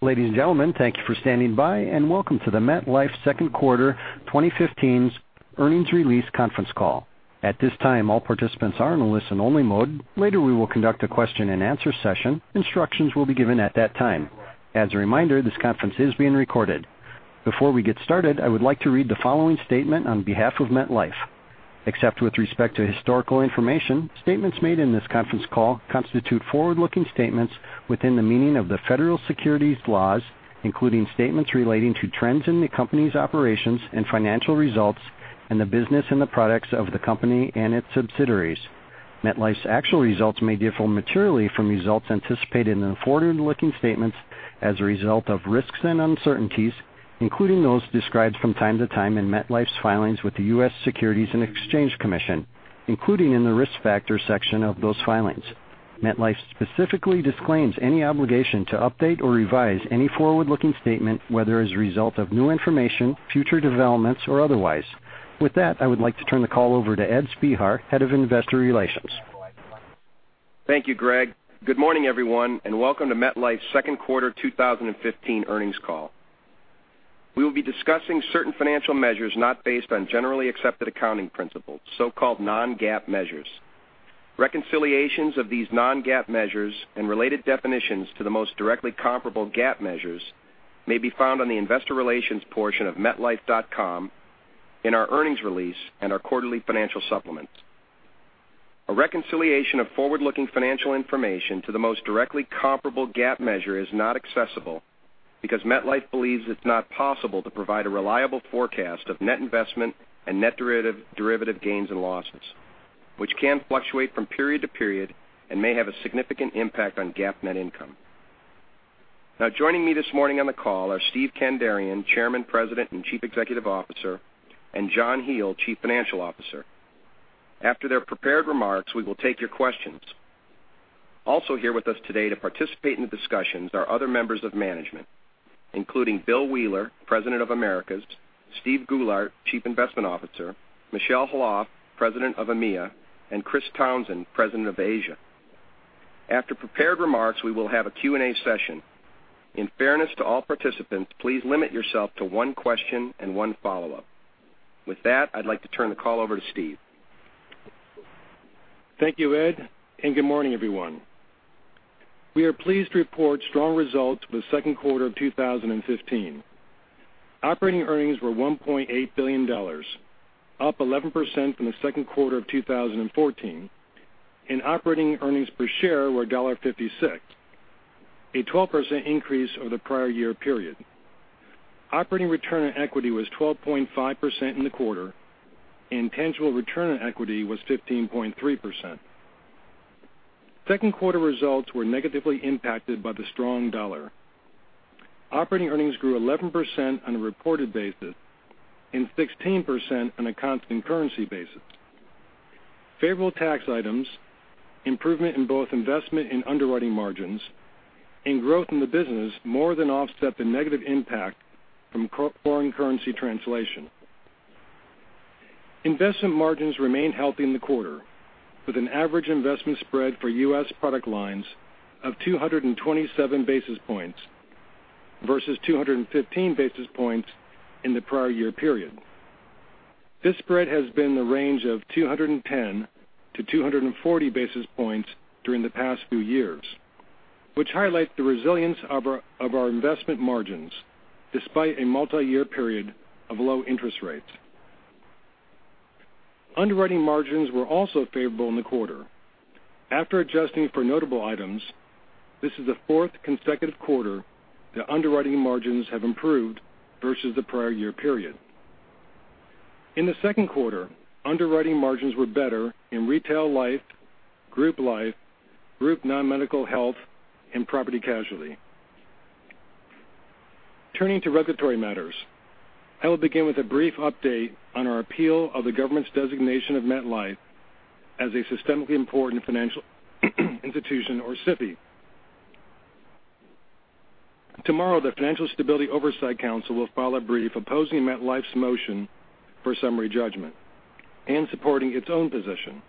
Ladies and gentlemen, thank you for standing by, and welcome to the MetLife second quarter 2015 earnings release conference call. At this time, all participants are in a listen-only mode. Later we will conduct a question-and-answer session. Instructions will be given at that time. As a reminder, this conference is being recorded. Before we get started, I would like to read the following statement on behalf of MetLife. Except with respect to historical information, statements made in this conference call constitute forward-looking statements within the meaning of the federal securities laws, including statements relating to trends in the company's operations and financial results and the business and the products of the company and its subsidiaries. MetLife's actual results may differ materially from results anticipated in the forward-looking statements as a result of risks and uncertainties, including those described from time to time in MetLife's filings with the U.S. Securities and Exchange Commission, including in the Risk Factors section of those filings. MetLife specifically disclaims any obligation to update or revise any forward-looking statement, whether as a result of new information, future developments, or otherwise. With that, I would like to turn the call over to Ed Spehar, Head of Investor Relations. Thank you, Greg. Good morning, everyone, and welcome to MetLife's second quarter 2015 earnings call. We will be discussing certain financial measures not based on Generally Accepted Accounting Principles, so-called non-GAAP measures. Reconciliations of these non-GAAP measures and related definitions to the most directly comparable GAAP measures may be found on the investor relations portion of metlife.com, in our earnings release, and our quarterly financial supplements. A reconciliation of forward-looking financial information to the most directly comparable GAAP measure is not accessible because MetLife believes it's not possible to provide a reliable forecast of net investment and net derivative gains and losses, which can fluctuate from period to period and may have a significant impact on GAAP net income. Now joining me this morning on the call are Steven Kandarian, Chairman, President, and Chief Executive Officer, and John Hele, Chief Financial Officer. After their prepared remarks, we will take your questions. Also here with us today to participate in the discussions are other members of management, including Bill Wheeler, President of Americas, Steven Goulart, Chief Investment Officer, Michel Khalaf, President of EMEA, and Chris Townsend, President of Asia. After prepared remarks, we will have a Q&A session. In fairness to all participants, please limit yourself to one question and one follow-up. With that, I'd like to turn the call over to Steven. Thank you, Ed, and good morning, everyone. We are pleased to report strong results for the second quarter of 2015. Operating earnings were $1.8 billion, up 11% from the second quarter of 2014, and operating earnings per share were $1.56, a 12% increase over the prior year period. Operating return on equity was 12.5% in the quarter, and tangible return on equity was 15.3%. Second quarter results were negatively impacted by the strong dollar. Operating earnings grew 11% on a reported basis and 16% on a constant currency basis. Favorable tax items, improvement in both investment and underwriting margins, and growth in the business more than offset the negative impact from foreign currency translation. Investment margins remained healthy in the quarter, with an average investment spread for U.S. product lines of 227 basis points versus 215 basis points in the prior year period. This spread has been in the range of 210 to 240 basis points during the past few years, which highlight the resilience of our investment margins despite a multi-year period of low interest rates. Underwriting margins were also favorable in the quarter. After adjusting for notable items, this is the fourth consecutive quarter that underwriting margins have improved versus the prior year period. In the second quarter, underwriting margins were better in retail life, group life, group non-medical health, and P&C. Turning to regulatory matters, I will begin with a brief update on our appeal of the government's designation of MetLife as a systemically important financial institution, or SIFI. Tomorrow, the Financial Stability Oversight Council will file a brief opposing MetLife's motion for summary judgment and supporting its own position.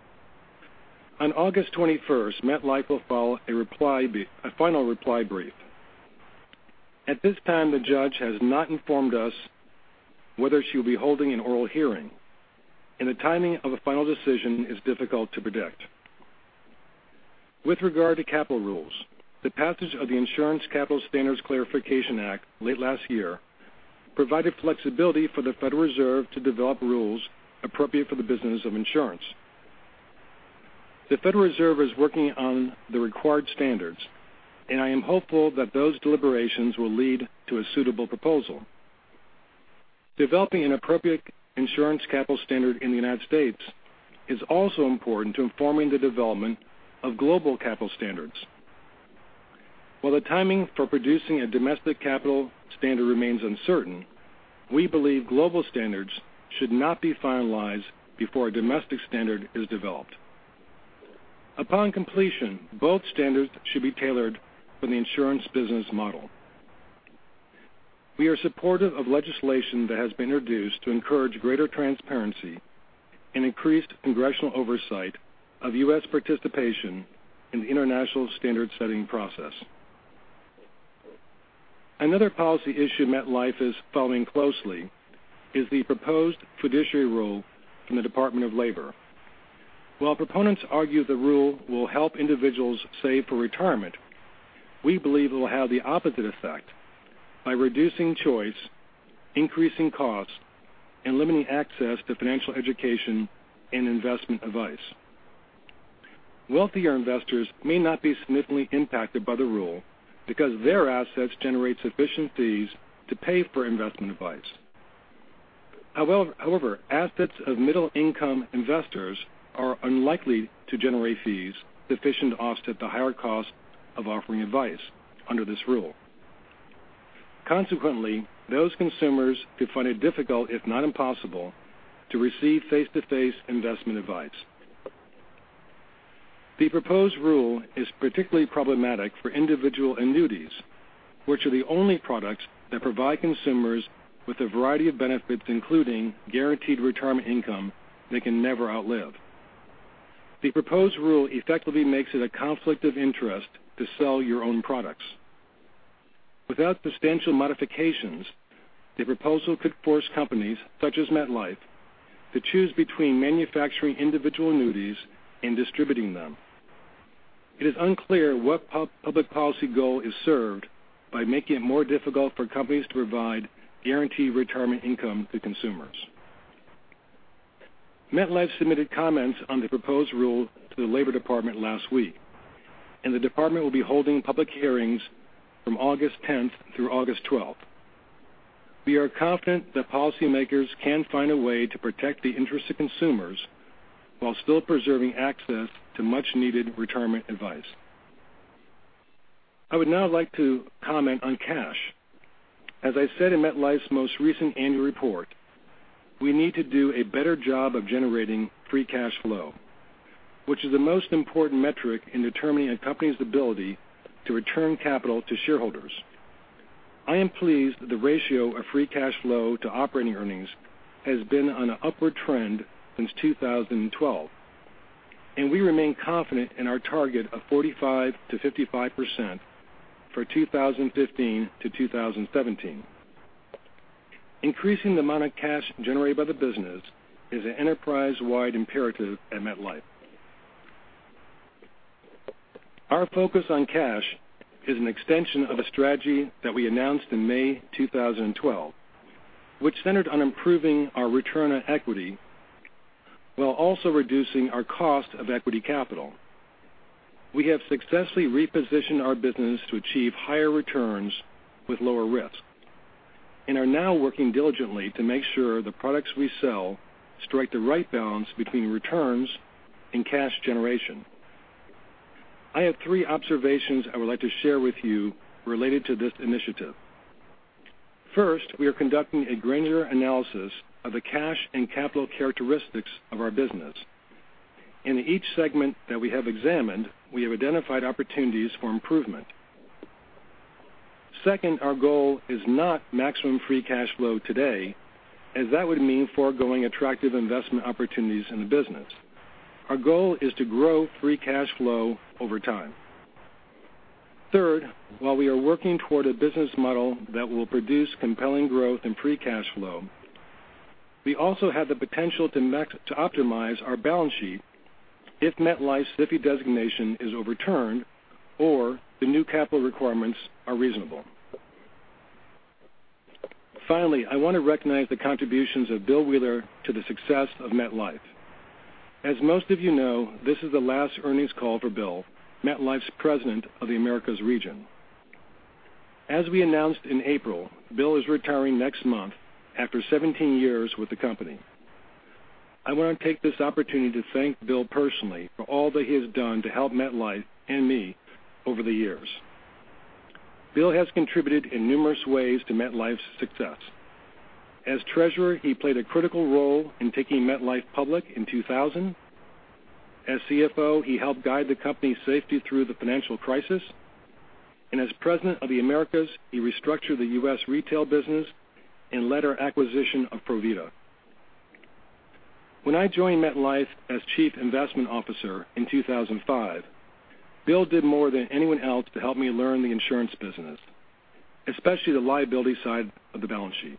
On August 21st, MetLife will file a final reply brief. At this time, the judge has not informed us whether she will be holding an oral hearing, the timing of a final decision is difficult to predict. With regard to capital rules, the passage of the Insurance Capital Standards Clarification Act late last year provided flexibility for the Federal Reserve to develop rules appropriate for the business of insurance. The Federal Reserve is working on the required standards, I am hopeful that those deliberations will lead to a suitable proposal. Developing an appropriate insurance capital standard in the U.S. is also important to informing the development of global capital standards. While the timing for producing a domestic capital standard remains uncertain, we believe global standards should not be finalized before a domestic standard is developed. Upon completion, both standards should be tailored for the insurance business model. We are supportive of legislation that has been introduced to encourage greater transparency and increased congressional oversight of U.S. participation in the international standard-setting process. Another policy issue MetLife is following closely is the proposed fiduciary rule from the Department of Labor. While proponents argue the rule will help individuals save for retirement, we believe it will have the opposite effect by reducing choice, increasing costs, and limiting access to financial education and investment advice. Wealthier investors may not be significantly impacted by the rule because their assets generate sufficient fees to pay for investment advice. However, assets of middle-income investors are unlikely to generate fees sufficient to offset the higher cost of offering advice under this rule. Consequently, those consumers could find it difficult, if not impossible, to receive face-to-face investment advice. The proposed rule is particularly problematic for individual annuities, which are the only products that provide consumers with a variety of benefits, including guaranteed retirement income they can never outlive. The proposed rule effectively makes it a conflict of interest to sell your own products. Without substantial modifications, the proposal could force companies such as MetLife to choose between manufacturing individual annuities and distributing them. It is unclear what public policy goal is served by making it more difficult for companies to provide guaranteed retirement income to consumers. MetLife submitted comments on the proposed rule to the Labor Department last week, the department will be holding public hearings from August 10th through August 12th. We are confident that policymakers can find a way to protect the interests of consumers while still preserving access to much-needed retirement advice. I would now like to comment on cash. As I said in MetLife's most recent annual report, we need to do a better job of generating free cash flow, which is the most important metric in determining a company's ability to return capital to shareholders. I am pleased that the ratio of free cash flow to operating earnings has been on an upward trend since 2012, and we remain confident in our target of 45%-55% for 2015 to 2017. Increasing the amount of cash generated by the business is an enterprise-wide imperative at MetLife. Our focus on cash is an extension of a strategy that we announced in May 2012, which centered on improving our return on equity while also reducing our cost of equity capital. We have successfully repositioned our business to achieve higher returns with lower risk and are now working diligently to make sure the products we sell strike the right balance between returns and cash generation. I have three observations I would like to share with you related to this initiative. First, we are conducting a granular analysis of the cash and capital characteristics of our business. In each segment that we have examined, we have identified opportunities for improvement. Second, our goal is not maximum free cash flow today, as that would mean forgoing attractive investment opportunities in the business. Our goal is to grow free cash flow over time. Third, while we are working toward a business model that will produce compelling growth and free cash flow, we also have the potential to optimize our balance sheet if MetLife's SIFI designation is overturned or the new capital requirements are reasonable. Finally, I want to recognize the contributions of Bill Wheeler to the success of MetLife. As most of you know, this is the last earnings call for Bill, MetLife's President of the Americas region. As we announced in April, Bill is retiring next month after 17 years with the company. I want to take this opportunity to thank Bill personally for all that he has done to help MetLife and me over the years. Bill has contributed in numerous ways to MetLife's success. As treasurer, he played a critical role in taking MetLife public in 2000. As CFO, he helped guide the company safely through the financial crisis, as President of the Americas, he restructured the U.S. retail business and led our acquisition of Provida. When I joined MetLife as Chief Investment Officer in 2005, Bill did more than anyone else to help me learn the insurance business, especially the liability side of the balance sheet.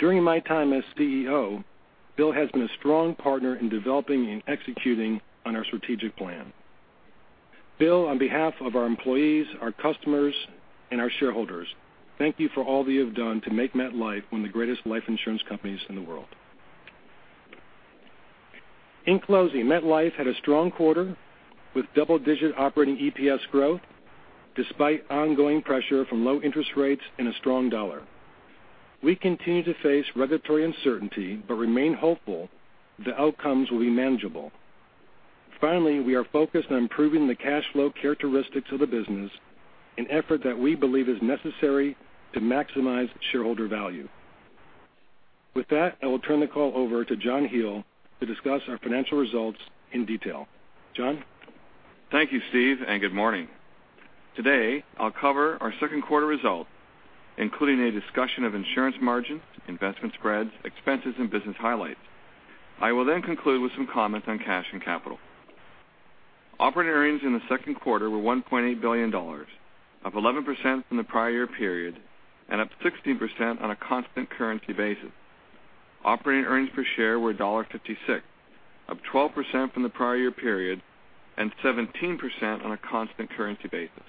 During my time as CEO, Bill has been a strong partner in developing and executing on our strategic plan. Bill, on behalf of our employees, our customers, and our shareholders, thank you for all that you have done to make MetLife one of the greatest life insurance companies in the world. In closing, MetLife had a strong quarter with double-digit operating EPS growth, despite ongoing pressure from low interest rates and a strong dollar. We continue to face regulatory uncertainty but remain hopeful the outcomes will be manageable. Finally, we are focused on improving the cash flow characteristics of the business, an effort that we believe is necessary to maximize shareholder value. With that, I will turn the call over to John Hele to discuss our financial results in detail. John? Thank you, Steve, and good morning. Today, I'll cover our second quarter results, including a discussion of insurance margins, investment spreads, expenses, and business highlights. I will then conclude with some comments on cash and capital. Operating earnings in the second quarter were $1.8 billion, up 11% from the prior year period and up 16% on a constant currency basis. Operating earnings per share were $1.56, up 12% from the prior year period and 17% on a constant currency basis.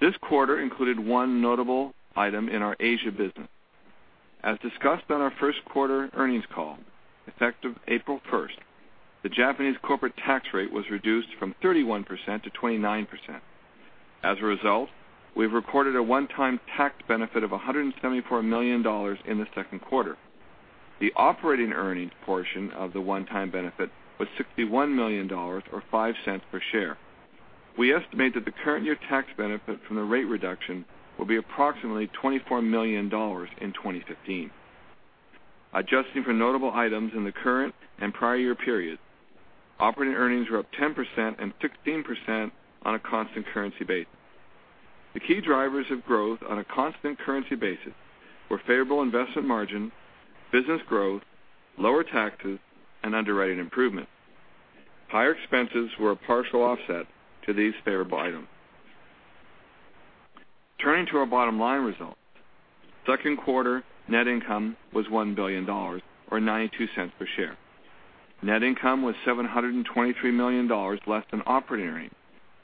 This quarter included one notable item in our Asia business. As discussed on our first quarter earnings call, effective April 1st, the Japanese corporate tax rate was reduced from 31% to 29%. As a result, we've recorded a one-time tax benefit of $174 million in the second quarter. The operating earnings portion of the one-time benefit was $61 million, or $0.05 per share. We estimate that the current year tax benefit from the rate reduction will be approximately $24 million in 2015. Adjusting for notable items in the current and prior year periods, operating earnings were up 10% and 16% on a constant currency basis. The key drivers of growth on a constant currency basis were favorable investment margin, business growth, lower taxes, and underwriting improvement. Higher expenses were a partial offset to these favorable items. Turning to our bottom line results, second quarter net income was $1 billion, or $0.92 per share. Net income was $723 million less than operating earnings,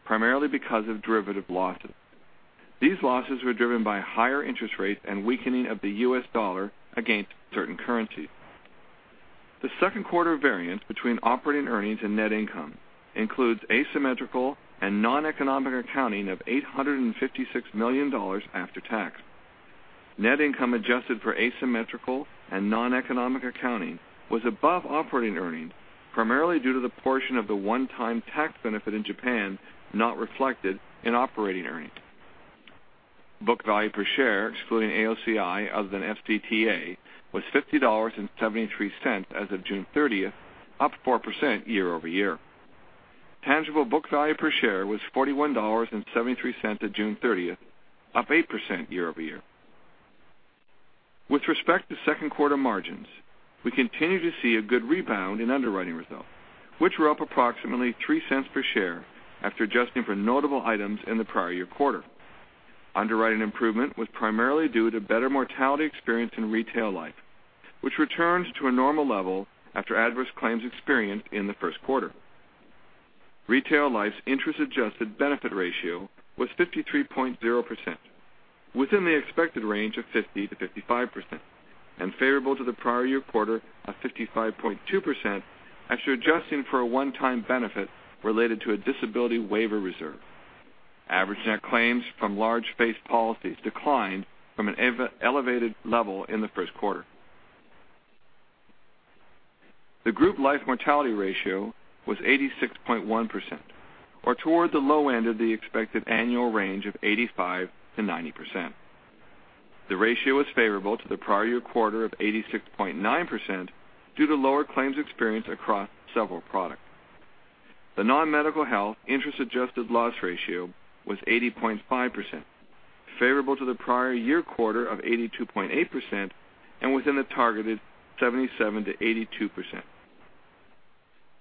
primarily because of derivative losses. These losses were driven by higher interest rates and weakening of the U.S. dollar against certain currencies. The second quarter variance between operating earnings and net income includes asymmetrical and non-economic accounting of $856 million after tax. Net income adjusted for asymmetrical and non-economic accounting was above operating earnings, primarily due to the portion of the one-time tax benefit in Japan not reflected in operating earnings. Book value per share, excluding AOCI other than FDTA, was $50.73 as of June 30th, up 4% year-over-year. Tangible book value per share was $41.73 on June 30th, up 8% year-over-year. With respect to second quarter margins, we continue to see a good rebound in underwriting results, which were up approximately $0.03 per share after adjusting for notable items in the prior year quarter. Underwriting improvement was primarily due to better mortality experience in Retail Life, which returns to a normal level after adverse claims experience in the first quarter. Retail Life's interest-adjusted benefit ratio was 53.0%, within the expected range of 50%-55%, and favorable to the prior year quarter of 55.2% after adjusting for a one-time benefit related to a disability waiver reserve. Average net claims from large face policies declined from an elevated level in the first quarter. The Group Life mortality ratio was 86.1%, or toward the low end of the expected annual range of 85%-90%. The ratio was favorable to the prior year quarter of 86.9% due to lower claims experience across several products. The non-medical health interest-adjusted loss ratio was 80.5%, favorable to the prior year quarter of 82.8% and within the targeted 77%-82%.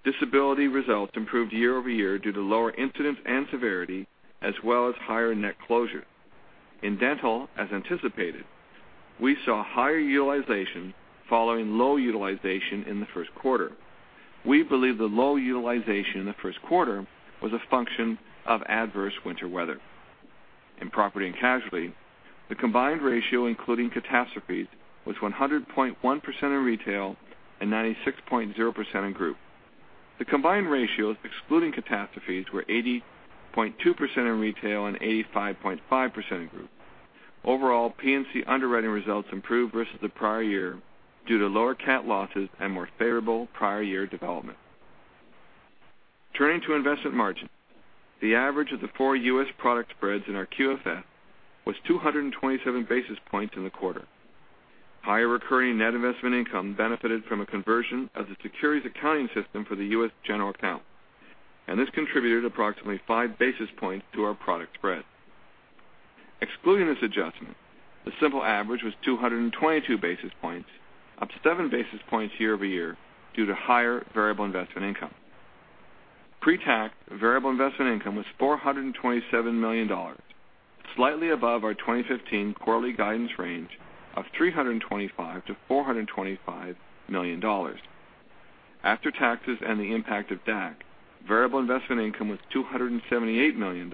Disability results improved year-over-year due to lower incidence and severity, as well as higher net closure. In dental, as anticipated, we saw higher utilization following low utilization in the first quarter. We believe the low utilization in the first quarter was a function of adverse winter weather. In property and casualty, the combined ratio, including catastrophes, was 100.1% in retail and 96.0% in group. The combined ratios excluding catastrophes were 80.2% in retail and 85.5% in group. Overall, P&C underwriting results improved versus the prior year due to lower cat losses and more favorable prior year development. Turning to investment margin, the average of the four U.S. product spreads in our QFS was 227 basis points in the quarter. Higher recurring net investment income benefited from a conversion of the securities accounting system for the U.S. general account, and this contributed approximately five basis points to our product spread. Excluding this adjustment, the simple average was 222 basis points, up seven basis points year-over-year due to higher variable investment income. Pre-tax variable investment income was $427 million, slightly above our 2015 quarterly guidance range of $325 million-$425 million. After taxes and the impact of DAC, variable investment income was $278 million,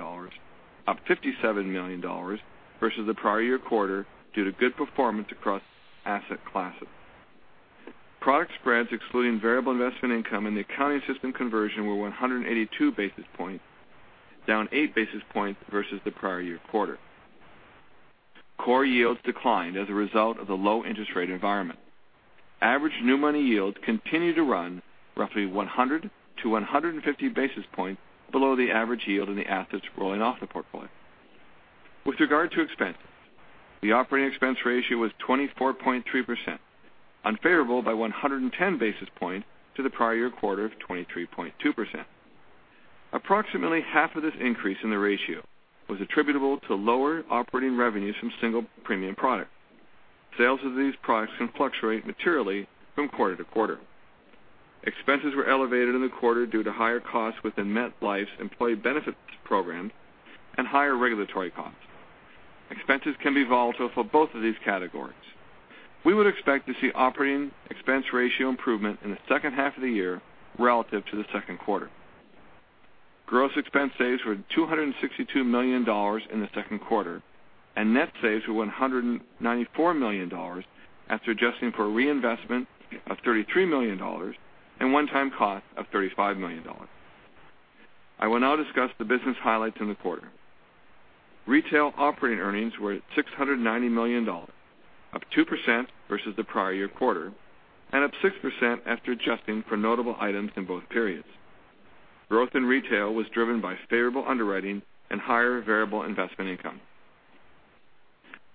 up $57 million versus the prior year quarter due to good performance across asset classes. Product spreads excluding variable investment income and the accounting system conversion were 182 basis points, down eight basis points versus the prior year quarter. Core yields declined as a result of the low interest rate environment. Average new money yields continue to run roughly 100-150 basis points below the average yield in the assets rolling off the portfolio. With regard to expenses, the operating expense ratio was 24.3%, unfavorable by 110 basis points to the prior year quarter of 23.2%. Approximately half of this increase in the ratio was attributable to lower operating revenues from single premium product. Sales of these products can fluctuate materially from quarter to quarter. Expenses were elevated in the quarter due to higher costs within MetLife's employee benefits program and higher regulatory costs. Expenses can be volatile for both of these categories. We would expect to see operating expense ratio improvement in the second half of the year relative to the second quarter. Gross expense saves were $262 million in the second quarter, and net saves were $194 million after adjusting for reinvestment of $33 million and one-time cost of $35 million. I will now discuss the business highlights in the quarter. Retail operating earnings were at $690 million, up 2% versus the prior year quarter, and up 6% after adjusting for notable items in both periods. Growth in retail was driven by favorable underwriting and higher variable investment income.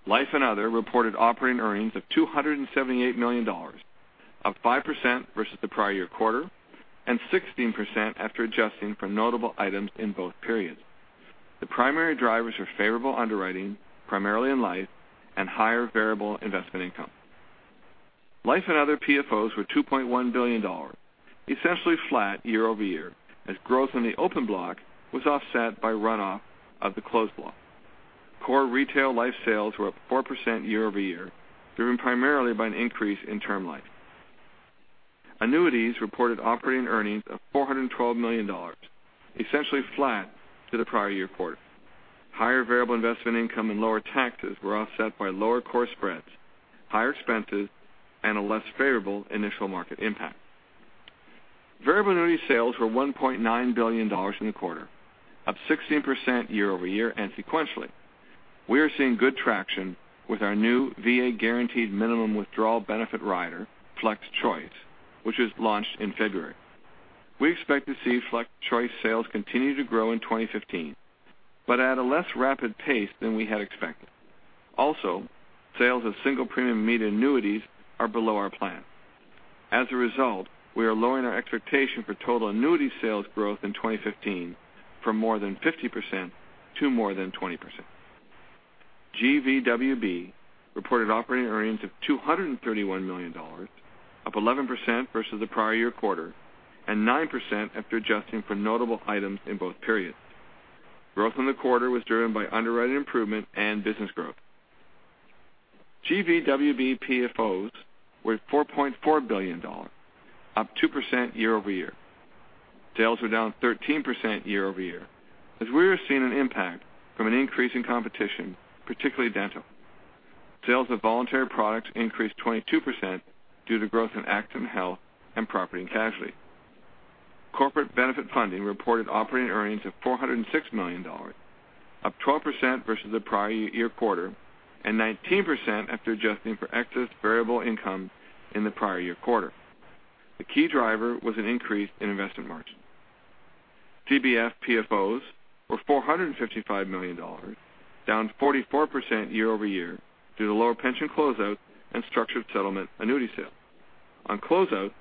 Life and Other reported operating earnings of $278 million, up 5% versus the prior year quarter, and 16% after adjusting for notable items in both periods. The primary drivers are favorable underwriting, primarily in life, and higher variable investment income. Life and Other PFOs were $2.1 billion, essentially flat year-over-year, as growth in the open block was offset by runoff of the closed block. Core retail life sales were up 4% year-over-year, driven primarily by an increase in term life. Annuities reported operating earnings of $412 million, essentially flat to the prior year quarter. Higher variable investment income and lower taxes were offset by lower core spreads, higher expenses, and a less favorable initial market impact. Variable annuity sales were $1.9 billion in the quarter, up 16% year-over-year and sequentially. We are seeing good traction with our new VA guaranteed minimum withdrawal benefit rider, FlexChoice, which was launched in February. We expect to see FlexChoice sales continue to grow in 2015, but at a less rapid pace than we had expected. Also, sales of single premium immediate annuities are below our plan. As a result, we are lowering our expectation for total annuity sales growth in 2015 from more than 50% to more than 20%. GWB reported operating earnings of $231 million, up 11% versus the prior year quarter, and 9% after adjusting for notable items in both periods. Growth in the quarter was driven by underwriting improvement and business growth. GWB PFOs were $4.4 billion, up 2% year-over-year. Sales were down 13% year-over-year as we are seeing an impact from an increase in competition, particularly dental. Sales of voluntary products increased 22% due to growth in accident health and property and casualty. Corporate benefit funding reported operating earnings of $406 million, up 12% versus the prior year quarter, and 19% after adjusting for excess variable income in the prior year quarter. The key driver was an increase in investment margin. CBF PFOs were $455 million, down 44% year-over-year due to lower pension closeout and structured settlement annuity sale. On closeout,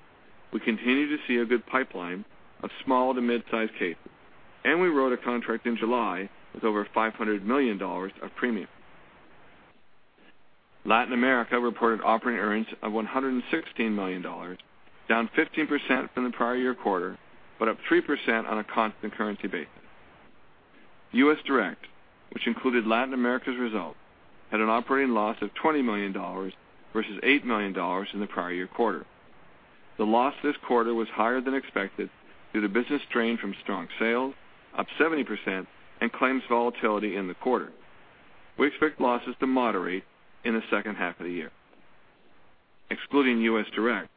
we continue to see a good pipeline of small to mid-size cases, and we wrote a contract in July with over $500 million of premium. Latin America reported operating earnings of $116 million, down 15% from the prior year quarter, but up 3% on a constant currency basis. U.S. Direct, which included Latin America's result, had an operating loss of $20 million versus $8 million in the prior year quarter. The loss this quarter was higher than expected due to business strain from strong sales, up 70%, and claims volatility in the quarter. We expect losses to moderate in the second half of the year. Excluding U.S. Direct,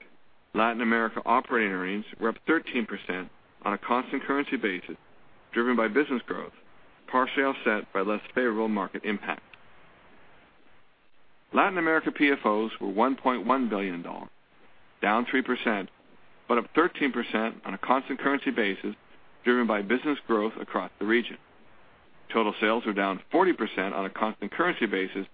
Latin America operating earnings were up 13% on a constant currency basis, driven by business growth, partially offset by less favorable market impact. Latin America PFOs were $1.1 billion, down 3%, but up 13% on a constant currency basis, driven by business growth across the region. Total sales were down 40% on a constant currency basis,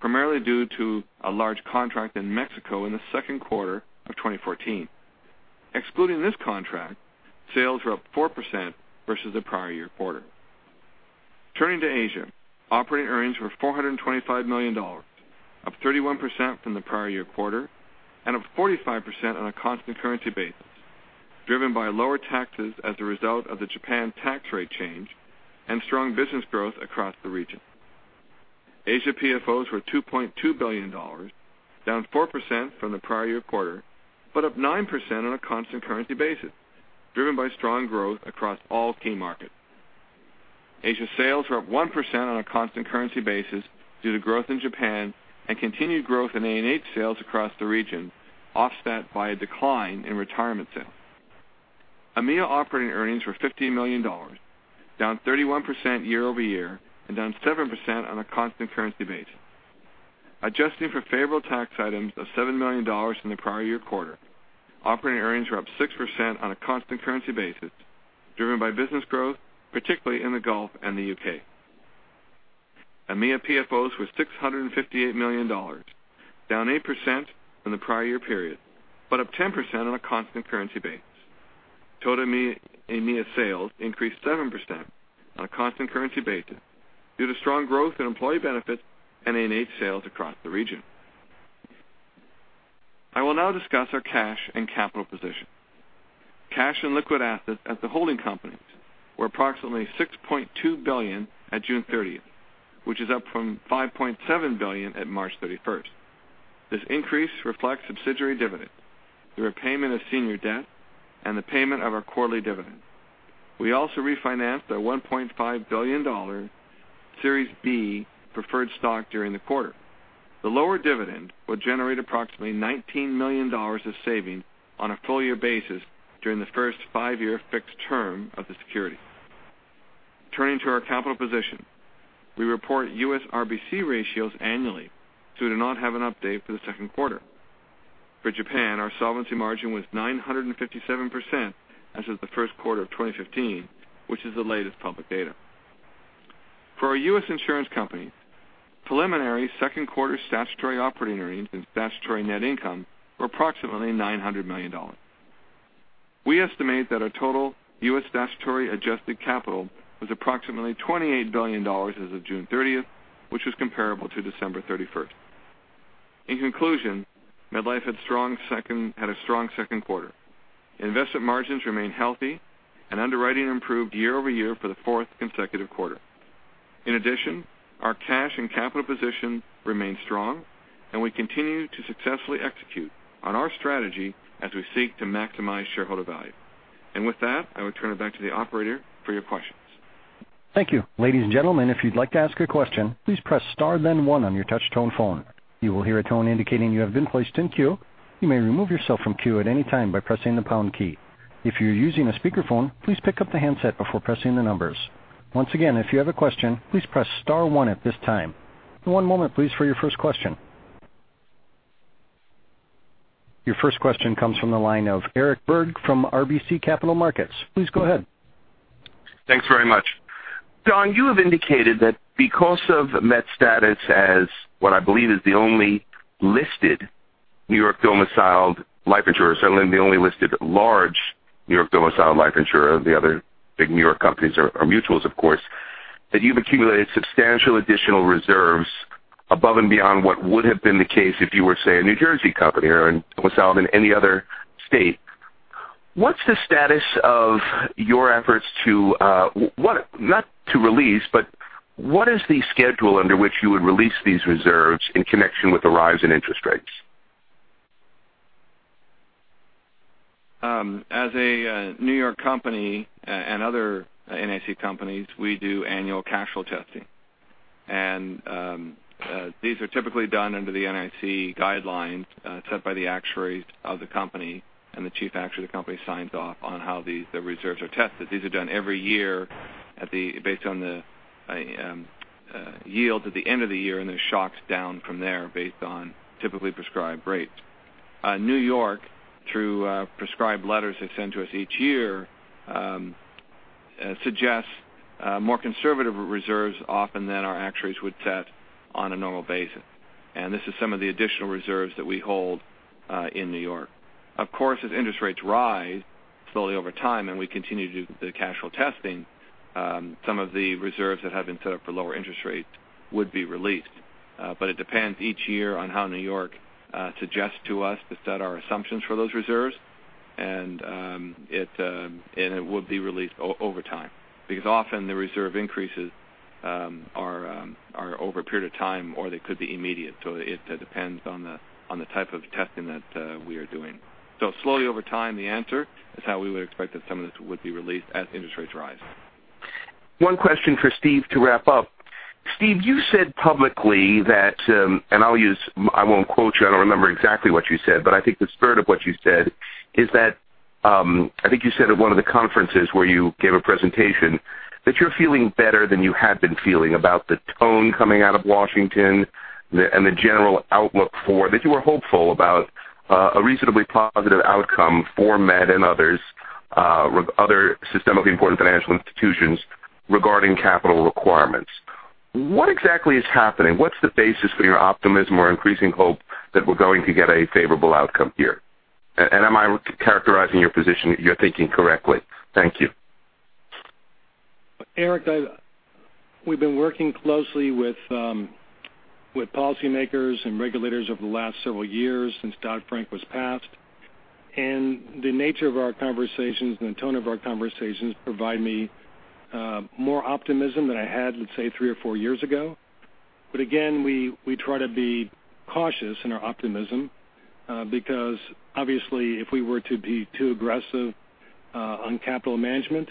primarily due to a large contract in Mexico in the second quarter of 2014. Excluding this contract, sales were up 4% versus the prior year quarter. Turning to Asia. Operating earnings were $425 million, up 31% from the prior year quarter, and up 45% on a constant currency basis, driven by lower taxes as a result of the Japan tax rate change and strong business growth across the region. Asia PFOs were $2.2 billion, down 4% from the prior year quarter, but up 9% on a constant currency basis, driven by strong growth across all key markets. Asia sales were up 1% on a constant currency basis due to growth in Japan and continued growth in A&H sales across the region, offset by a decline in retirement sales. EMEA operating earnings were $50 million, down 31% year-over-year and down 7% on a constant currency basis. Adjusting for favorable tax items of $7 million in the prior year quarter, operating earnings were up 6% on a constant currency basis, driven by business growth, particularly in the Gulf and the U.K. EMEA PFOs were $658 million, down 8% from the prior year period, but up 10% on a constant currency basis. Total EMEA sales increased 7% on a constant currency basis due to strong growth in employee benefits and A&H sales across the region. I will now discuss our cash and capital position. Cash and liquid assets at the holding companies were approximately $6.2 billion at June 30th, which is up from $5.7 billion at March 31st. This increase reflects subsidiary dividends, the repayment of senior debt, and the payment of our quarterly dividend. We also refinanced our $1.5 billion Series B preferred stock during the quarter. The lower dividend will generate approximately $19 million of savings on a full year basis during the first five-year fixed term of the security. Turning to our capital position, we report U.S. RBC ratios annually, so we do not have an update for the second quarter. For Japan, our solvency margin was 957% as of the first quarter of 2015, which is the latest public data. For our U.S. insurance company, preliminary second quarter statutory operating earnings and statutory net income were approximately $900 million. We estimate that our total U.S. statutory adjusted capital was approximately $28 billion as of June 30th, which was comparable to December 31st. In conclusion, MetLife had a strong second quarter. Investment margins remain healthy, and underwriting improved year-over-year for the fourth consecutive quarter. In addition, our cash and capital position remains strong, and we continue to successfully execute on our strategy as we seek to maximize shareholder value. With that, I would turn it back to the operator for your questions. Thank you. Ladies and gentlemen, if you'd like to ask a question, please press star then one on your touch tone phone. You will hear a tone indicating you have been placed in queue. You may remove yourself from queue at any time by pressing the pound key. If you're using a speakerphone, please pick up the handset before pressing the numbers. Once again, if you have a question, please press star one at this time. One moment please for your first question. Your first question comes from the line of Eric Berg from RBC Capital Markets. Please go ahead. Thanks very much. John, you have indicated that because of Met's status as what I believe is the only listed New York domiciled life insurer, certainly the only listed large New York domiciled life insurer, the other big New York companies are mutuals of course, that you've accumulated substantial additional reserves above and beyond what would have been the case if you were, say, a New Jersey company or domiciled in any other state. What's the status of your efforts to, not to release, but what is the schedule under which you would release these reserves in connection with the rise in interest rates? As a New York company and other NAIC companies, we do annual cash flow testing. These are typically done under the NAIC guidelines set by the actuaries of the company and the chief actuary of the company signs off on how the reserves are tested. These are done every year based on the yields at the end of the year, then shocks down from there based on typically prescribed rates. New York, through prescribed letters they send to us each year, suggests more conservative reserves often than our actuaries would set on a normal basis. This is some of the additional reserves that we hold in New York. Of course, as interest rates rise slowly over time and we continue to do the cash flow testing, some of the reserves that have been set up for lower interest rates would be released. It depends each year on how New York suggests to us to set our assumptions for those reserves. It would be released over time, because often the reserve increases are over a period of time or they could be immediate. It depends on the type of testing that we are doing. Slowly over time, the answer is how we would expect that some of this would be released as interest rates rise. One question for Steve to wrap up. Steve, you said publicly that, I won't quote you, I don't remember exactly what you said, but I think the spirit of what you said is that, I think you said at one of the conferences where you gave a presentation that you're feeling better than you had been feeling about the tone coming out of Washington and the general outlook for that you were hopeful about a reasonably positive outcome for Met and others, other systemically important financial institutions regarding capital requirements. What exactly is happening? What's the basis for your optimism or increasing hope that we're going to get a favorable outcome here? Am I characterizing your position, your thinking correctly? Thank you. Eric, we've been working closely with policymakers and regulators over the last several years since Dodd-Frank was passed. The nature of our conversations and the tone of our conversations provide me more optimism than I had, let's say, three or four years ago. Again, we try to be cautious in our optimism because obviously if we were to be too aggressive on capital management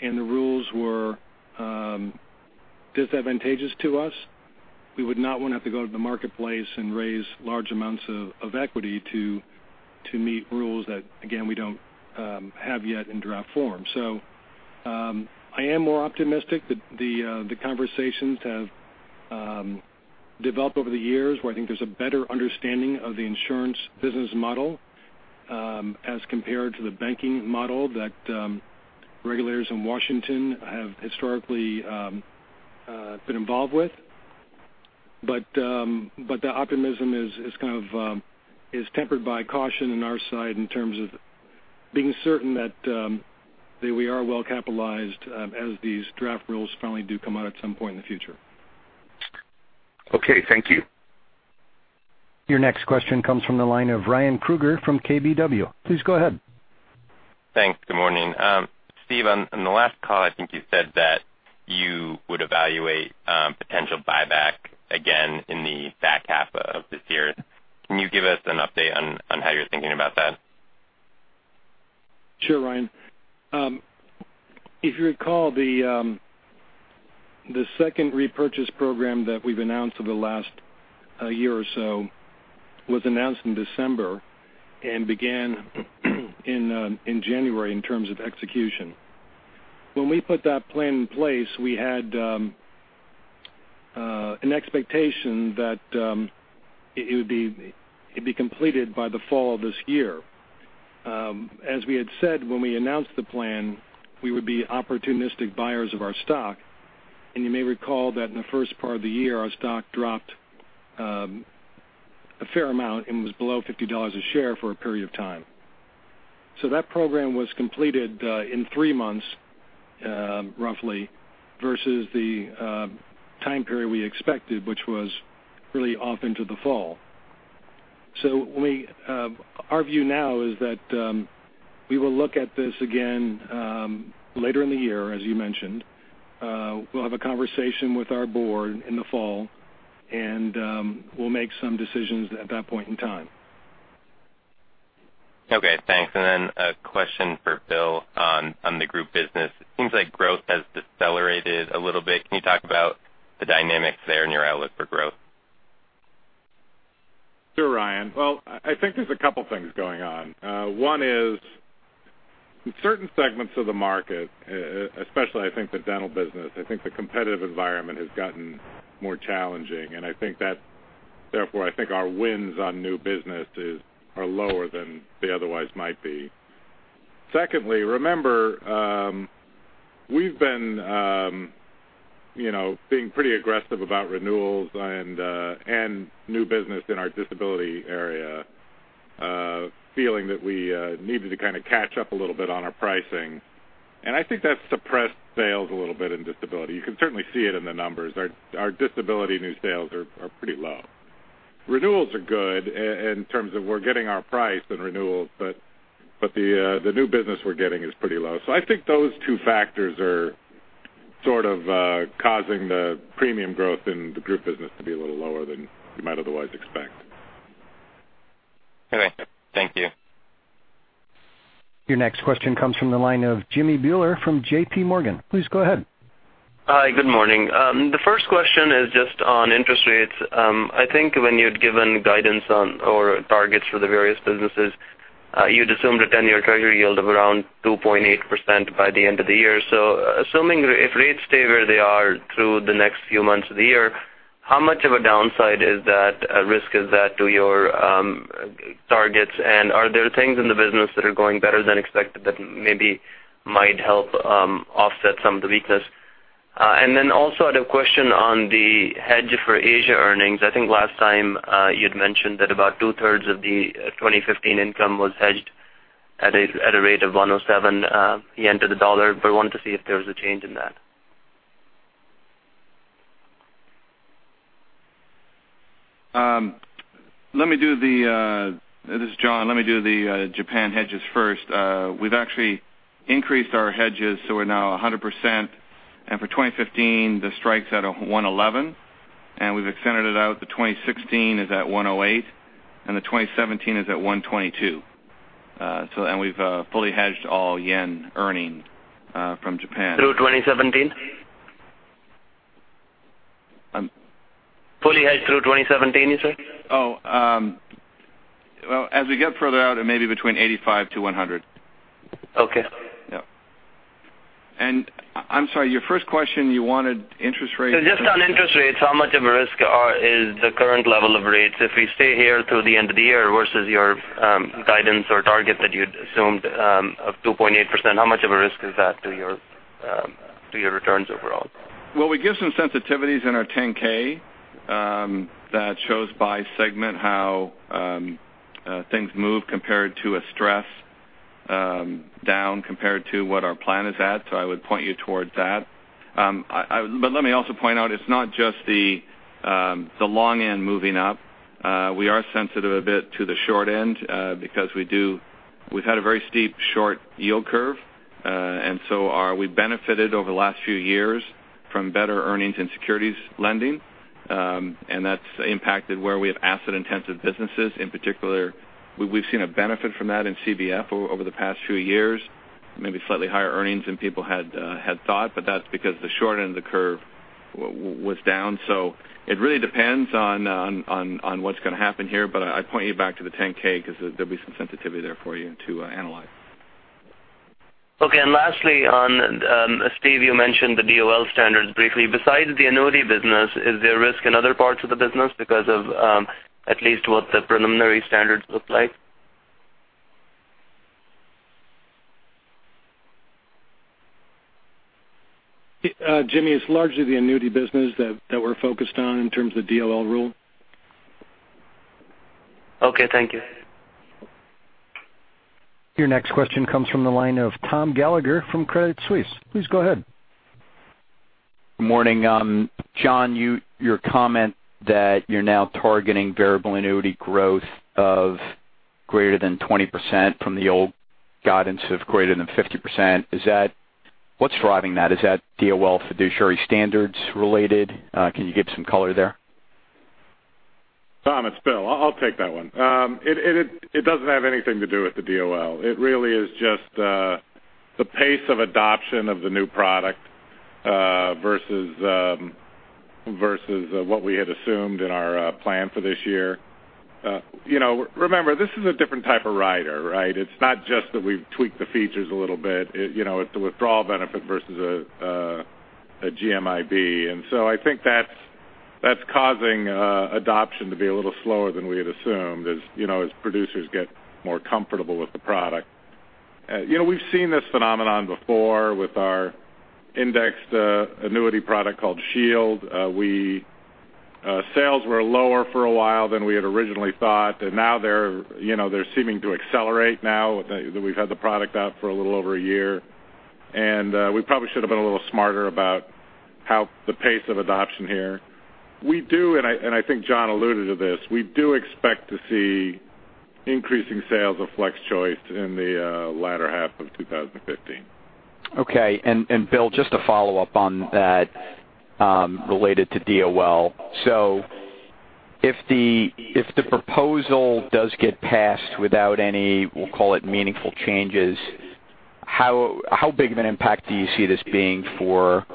and the rules were disadvantageous to us, we would not want to have to go to the marketplace and raise large amounts of equity to meet rules that, again, we don't have yet in draft form. I am more optimistic that the conversations have developed over the years, where I think there's a better understanding of the insurance business model as compared to the banking model that regulators in Washington have historically been involved with. The optimism is tempered by caution on our side in terms of being certain that we are well-capitalized as these draft rules finally do come out at some point in the future. Okay, thank you. Your next question comes from the line of Ryan Krueger from KBW. Please go ahead. Thanks. Good morning. Steve, on the last call, I think you said that you would evaluate potential buyback again in the back half of this year. Can you give us an update on how you're thinking about that? Sure, Ryan. If you recall, the second repurchase program that we've announced over the last year or so was announced in December and began in January in terms of execution. When we put that plan in place, we had an expectation that it'd be completed by the fall of this year. As we had said when we announced the plan, we would be opportunistic buyers of our stock, and you may recall that in the first part of the year, our stock dropped a fair amount and was below $50 a share for a period of time. That program was completed in three months, roughly, versus the time period we expected, which was really off into the fall. Our view now is that we will look at this again later in the year, as you mentioned. We'll have a conversation with our board in the fall, and we'll make some decisions at that point in time. Okay, thanks. A question for Bill on the group business. It seems like growth has decelerated a little bit. Can you talk about the dynamics there and your outlook for growth? Sure, Ryan. Well, I think there's a couple things going on. One is in certain segments of the market, especially I think the dental business, I think the competitive environment has gotten more challenging, and therefore, I think our wins on new business are lower than they otherwise might be. Secondly, remember, we've been pretty aggressive about renewals and new business in our disability area, feeling that we needed to kind of catch up a little bit on our pricing. I think that's suppressed sales a little bit in disability. You can certainly see it in the numbers. Our disability new sales are pretty low. Renewals are good in terms of we're getting our price and renewals, but the new business we're getting is pretty low. I think those two factors are sort of causing the premium growth in the group business to be a little lower than you might otherwise expect. Okay, thank you. Your next question comes from the line of Jimmy Bhullar from J.P. Morgan. Go ahead. Hi, good morning. The first question is just on interest rates. I think when you'd given guidance or targets for the various businesses, you'd assumed a 10-year Treasury yield of around 2.8% by the end of the year. Assuming if rates stay where they are through the next few months of the year, how much of a downside risk is that to your targets? Are there things in the business that are going better than expected that maybe might help offset some of the weakness? Also I had a question on the hedge for Asia earnings. I think last time you'd mentioned that about two-thirds of the 2015 income was hedged at a rate of 107 yen to the dollar, I wanted to see if there was a change in that. This is John. Let me do the Japan hedges first. We've actually increased our hedges, we're now 100%, for 2015, the strike's at a 111, we've extended it out. The 2016 is at 108, the 2017 is at 122. We've fully hedged all JPY earning from Japan. Through 2017? I'm- Fully hedged through 2017, you said? Oh. Well, as we get further out, it may be between 85 to 100. Okay. Yeah. I'm sorry, your first question, you wanted interest rates- Just on interest rates, how much of a risk is the current level of rates if we stay here through the end of the year versus your guidance or target that you'd assumed of 2.8%? How much of a risk is that to your returns overall? We give some sensitivities in our 10-K that shows by segment how things move compared to a stress down compared to what our plan is at. But let me also point out, it's not just the long end moving up. We are sensitive a bit to the short end because we've had a very steep, short yield curve. We benefited over the last few years from better earnings in securities lending. That's impacted where we have asset-intensive businesses. In particular, we've seen a benefit from that in CBF over the past few years, maybe slightly higher earnings than people had thought, but that's because the short end of the curve was down. It really depends on what's going to happen here, but I point you back to the 10-K because there'll be some sensitivity there for you to analyze. Lastly on, Steve, you mentioned the DOL standards briefly. Besides the annuity business, is there risk in other parts of the business because of at least what the preliminary standards look like? Jimmy, it's largely the annuity business that we're focused on in terms of DOL rule. Okay, thank you. Your next question comes from the line of Thomas Gallagher from Credit Suisse. Please go ahead. Good morning. John, your comment that you're now targeting variable annuity growth of greater than 20% from the old guidance of greater than 50%, what's driving that? Is that DOL fiduciary standards related? Can you give some color there? Tom, it's Bill. I'll take that one. It doesn't have anything to do with the DOL. It really is just the pace of adoption of the new product versus what we had assumed in our plan for this year. Remember, this is a different type of rider. It's not just that we've tweaked the features a little bit. It's a withdrawal benefit versus a GMIB. I think that's causing adoption to be a little slower than we had assumed as producers get more comfortable with the product. We've seen this phenomenon before with our indexed annuity product called Shield. Sales were lower for a while than we had originally thought, and now they're seeming to accelerate now that we've had the product out for a little over a year. We probably should have been a little smarter about the pace of adoption here. We do, I think John alluded to this, we do expect to see increasing sales of FlexChoice in the latter half of 2015. Okay. Bill, just a follow-up on that related to DOL. If the proposal does get passed without any, we'll call it meaningful changes, how big of an impact do you see this being for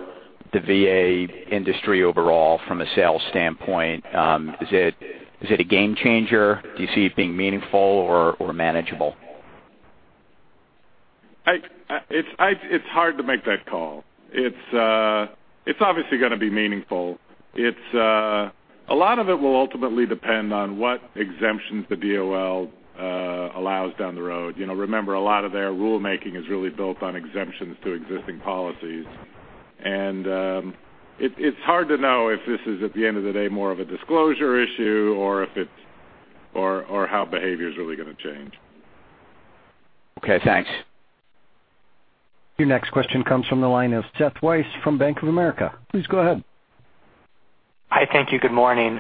the VA industry overall from a sales standpoint? Is it a game changer? Do you see it being meaningful or manageable? It's hard to make that call. It's obviously going to be meaningful. A lot of it will ultimately depend on what exemptions the DOL allows down the road. Remember, a lot of their rulemaking is really built on exemptions to existing policies. It's hard to know if this is, at the end of the day, more of a disclosure issue or how behavior is really going to change. Okay, thanks. Your next question comes from the line of Seth Weiss from Bank of America. Please go ahead. Hi, thank you. Good morning.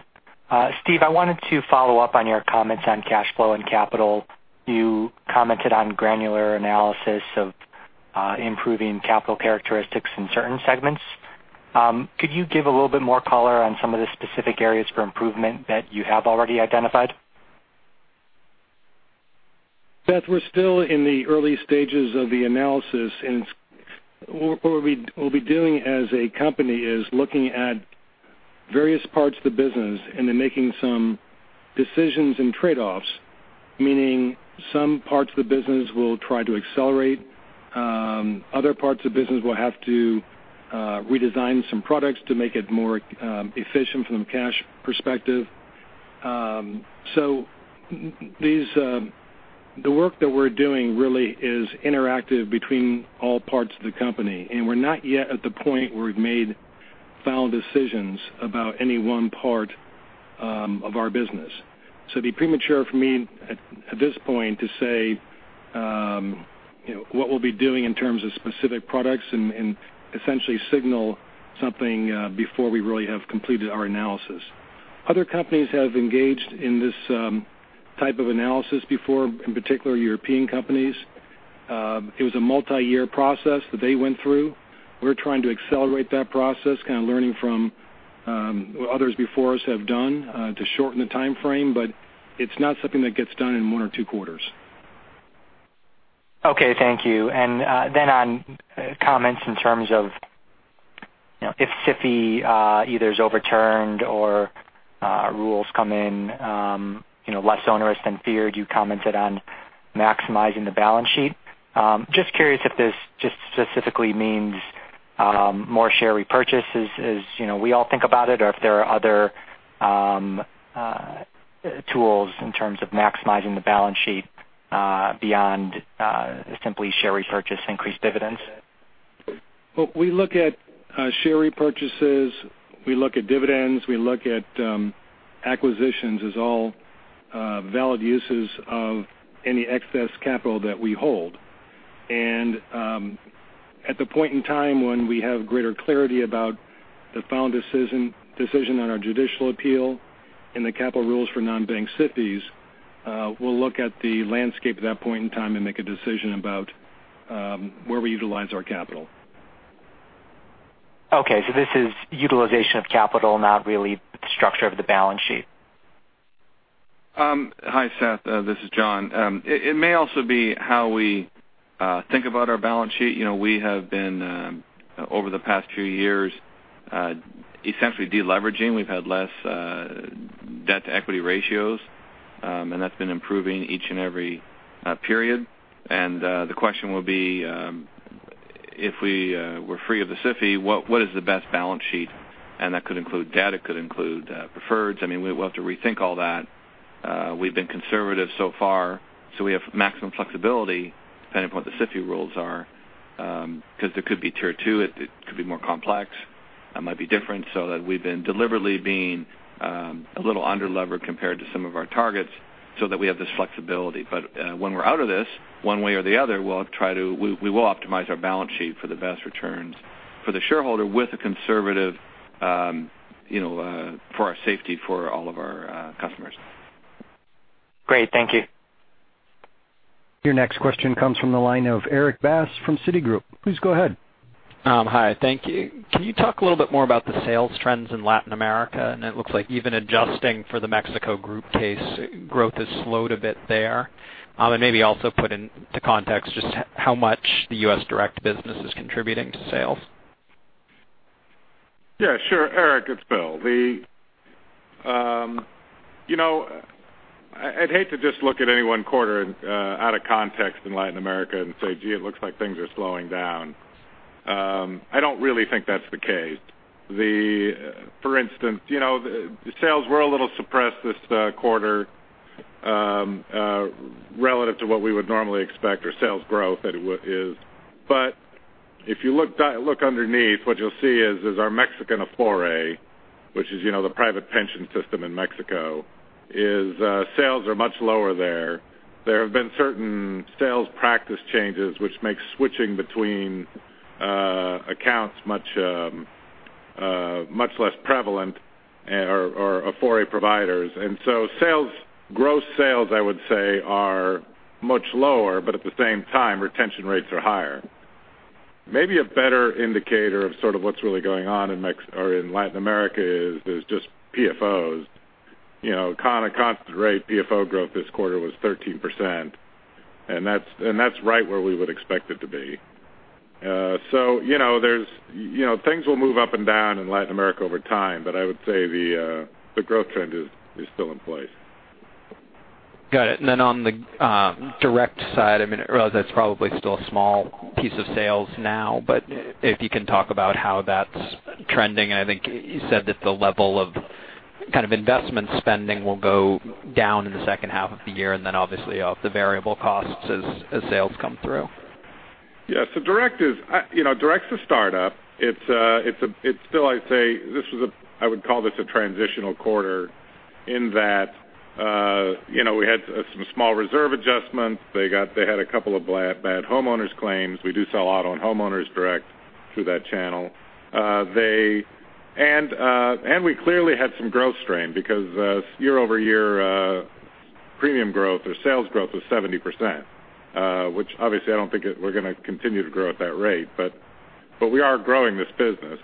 Steve, I wanted to follow up on your comments on cash flow and capital. You commented on granular analysis of improving capital characteristics in certain segments. Could you give a little bit more color on some of the specific areas for improvement that you have already identified? Seth, we're still in the early stages of the analysis. What we'll be doing as a company is looking at various parts of the business and then making some decisions and trade-offs, meaning some parts of the business we'll try to accelerate. Other parts of the business we'll have to redesign some products to make it more efficient from a cash perspective. The work that we're doing really is interactive between all parts of the company, and we're not yet at the point where we've made final decisions about any one part of our business. It'd be premature for me, at this point, to say what we'll be doing in terms of specific products and essentially signal something before we really have completed our analysis. Other companies have engaged in this type of analysis before, in particular European companies. It was a multi-year process that they went through. We're trying to accelerate that process, kind of learning from what others before us have done to shorten the timeframe, it's not something that gets done in one or two quarters. Okay, thank you. On comments in terms of if SIFI either is overturned or rules come in less onerous than feared, you commented on maximizing the balance sheet. Just curious if this just specifically means more share repurchases as we all think about it, or if there are other tools in terms of maximizing the balance sheet beyond simply share repurchase, increased dividends. We look at share repurchases, we look at dividends, we look at acquisitions as all valid uses of any excess capital that we hold. At the point in time when we have greater clarity about the final decision on our judicial appeal and the capital rules for non-bank SIFIs, we'll look at the landscape at that point in time and make a decision about where we utilize our capital. Okay, this is utilization of capital, not really the structure of the balance sheet? Hi, Seth, this is John. It may also be how we think about our balance sheet. We have been, over the past few years, essentially de-leveraging. We've had less debt-to-equity ratios, and that's been improving each and every period. The question will be, if we were free of the SIFI, what is the best balance sheet? That could include debt, it could include preferreds. We'll have to rethink all that. We've been conservative so far, so we have maximum flexibility depending upon what the SIFI rules are because it could be Tier 2, it could be more complex, it might be different, so that we've been deliberately being a little underlevered compared to some of our targets so that we have this flexibility. When we're out of this, one way or the other, we will optimize our balance sheet for the best returns for the shareholder with a conservative, for our safety for all of our customers. Great. Thank you. Your next question comes from the line of Erik Bass from Citigroup. Please go ahead. Hi. Thank you. Can you talk a little bit more about the sales trends in Latin America? It looks like even adjusting for the Mexico group case, growth has slowed a bit there. Maybe also put into context just how much the U.S. Direct business is contributing to sales. Yeah, sure, Erik, it's Bill. I'd hate to just look at any one quarter out of context in Latin America and say, "Gee, it looks like things are slowing down." I don't really think that's the case. For instance, the sales were a little suppressed this quarter relative to what we would normally expect our sales growth is. If you look underneath, what you'll see is our Mexican Afore, which is the private pension system in Mexico, is sales are much lower there. There have been certain sales practice changes which makes switching between accounts much less prevalent or Afore providers. Gross sales, I would say, are much lower, but at the same time, retention rates are higher. Maybe a better indicator of sort of what's really going on in Latin America is just PFOs. On a constant rate, PFO growth this quarter was 13%, that's right where we would expect it to be. Things will move up and down in Latin America over time, but I would say the growth trend is still in place. Got it. On the direct side, I realize that's probably still a small piece of sales now, but if you can talk about how that's trending, I think you said that the level of kind of investment spending will go down in the second half of the year and then obviously off the variable costs as sales come through. Direct is a startup. I would call this a transitional quarter in that we had some small reserve adjustments. They had a couple of bad homeowners claims. We do sell out on homeowners Direct through that channel. We clearly had some growth strain because year-over-year premium growth or sales growth was 70%, which obviously I don't think we're going to continue to grow at that rate. We are growing this business.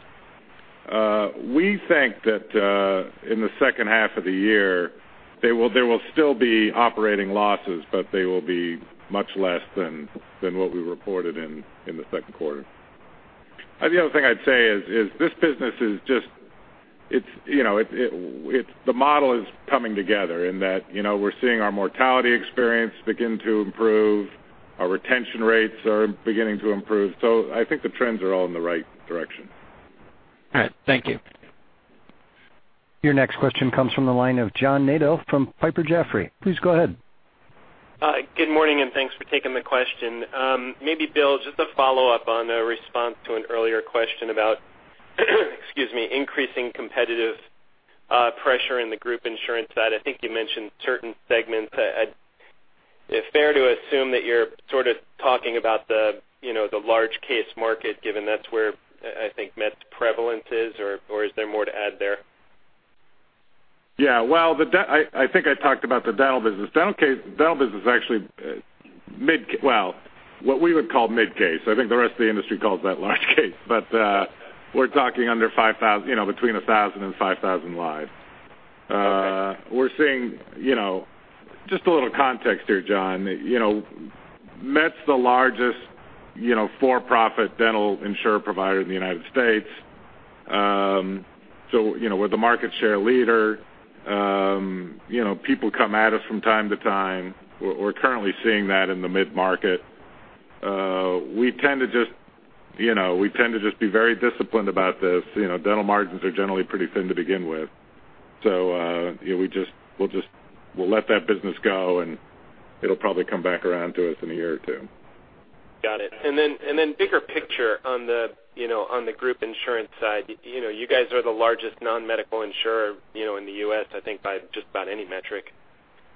We think that in the second half of the year, there will still be operating losses, they will be much less than what we reported in the second quarter. The other thing I'd say is this business, the model is coming together in that we're seeing our mortality experience begin to improve, our retention rates are beginning to improve. I think the trends are all in the right direction. All right. Thank you. Your next question comes from the line of John Nadel from Piper Jaffray. Please go ahead. Good morning, thanks for taking the question. Maybe, Bill, just a follow-up on a response to an earlier question about increasing competitive pressure in the group insurance side. I think you mentioned certain segments. Is it fair to assume that you're sort of talking about the large case market, given that's where I think MetLife's prevalence is, or is there more to add there? Well, I think I talked about the dental business. Dental business is actually what we would call mid case. I think the rest of the industry calls that large case, but we're talking between 1,000 and 5,000 lives. Okay. Just a little context here, John. Met's the largest for-profit dental insurer provider in the U.S. We're the market share leader. People come at us from time to time. We're currently seeing that in the mid-market. We tend to just be very disciplined about this. Dental margins are generally pretty thin to begin with. We'll let that business go, and it'll probably come back around to us in a year or two. Got it. Bigger picture on the group insurance side. You guys are the largest non-medical insurer in the U.S., I think by just about any metric.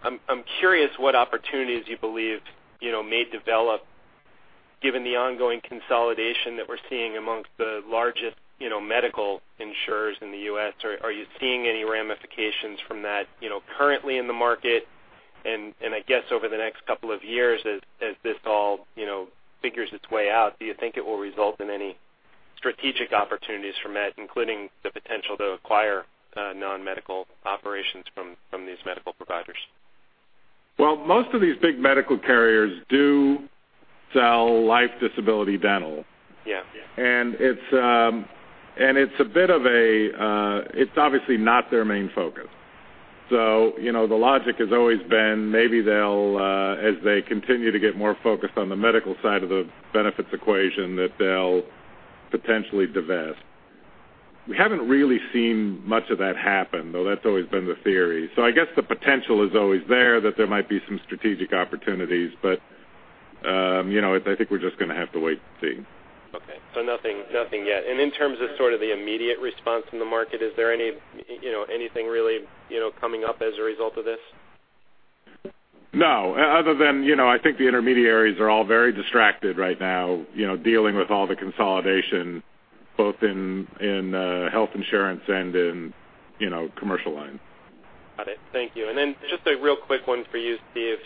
I'm curious what opportunities you believe may develop given the ongoing consolidation that we're seeing amongst the largest medical insurers in the U.S. Are you seeing any ramifications from that currently in the market? I guess over the next couple of years as this all figures its way out, do you think it will result in any strategic opportunities for Met, including the potential to acquire non-medical operations from these medical providers. Well, most of these big medical carriers do sell life disability dental. Yes. It's obviously not their main focus. The logic has always been maybe as they continue to get more focused on the medical side of the benefits equation, that they'll potentially divest. We haven't really seen much of that happen, though that's always been the theory. I guess the potential is always there that there might be some strategic opportunities, but I think we're just going to have to wait and see. Okay. Nothing yet. In terms of sort of the immediate response from the market, is there anything really coming up as a result of this? No. Other than I think the intermediaries are all very distracted right now, dealing with all the consolidation both in health insurance and in commercial lines. Got it. Thank you. Then just a real quick one for you, Steve.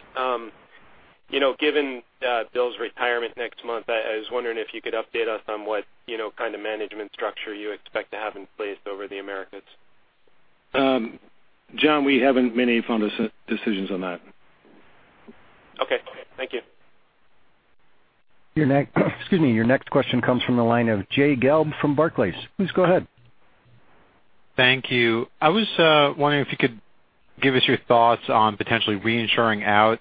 Given Bill's retirement next month, I was wondering if you could update us on what kind of management structure you expect to have in place over the Americas. John, we haven't made any final decisions on that. Okay. Thank you. Your next question comes from the line of Jay Gelb from Barclays. Please go ahead. Thank you. I was wondering if you could give us your thoughts on potentially reinsuring out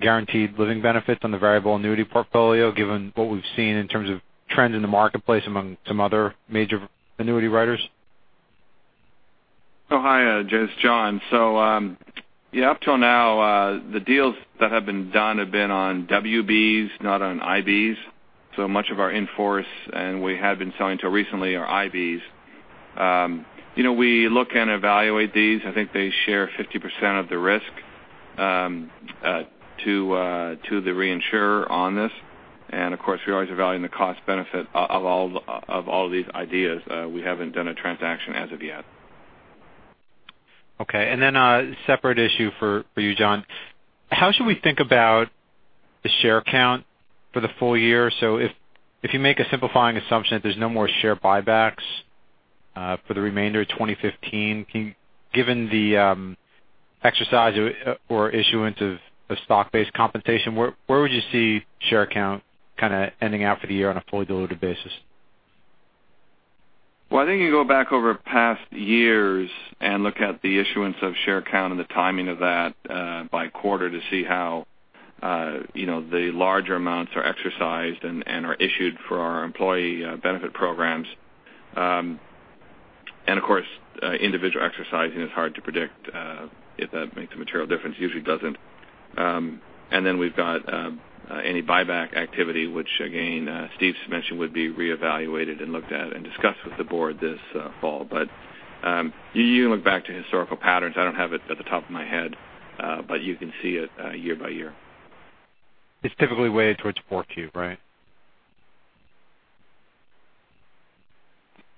guaranteed living benefits on the variable annuity portfolio, given what we've seen in terms of trends in the marketplace among some other major annuity writers. Oh, hi, Jay. It's John. Up till now, the deals that have been done have been on WBs, not on IBs. Much of our in-force, and we had been selling till recently are IBs. We look and evaluate these. I think they share 50% of the risk to the reinsurer on this. Of course, we're always evaluating the cost benefit of all these ideas. We haven't done a transaction as of yet. Okay. A separate issue for you, John. How should we think about the share count for the full year? If you make a simplifying assumption that there's no more share buybacks for the remainder of 2015, given the exercise or issuance of stock-based compensation, where would you see share count kind of ending out for the year on a fully diluted basis? Well, I think you go back over past years and look at the issuance of share count and the timing of that by quarter to see how the larger amounts are exercised and are issued for our employee benefit programs. Of course, individual exercising is hard to predict if that makes a material difference. Usually doesn't. We've got any buyback activity, which again, Steve's mentioned, would be reevaluated and looked at and discussed with the board this fall. You can look back to historical patterns. I don't have it at the top of my head, but you can see it year by year. It's typically weighted towards 4Q, right?